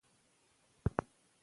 وېښتان هر وخت خلاص مه پریږدئ.